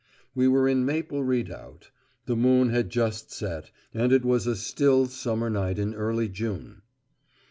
We were in Maple Redoubt. The moon had just set, and it was a still summer night in early June.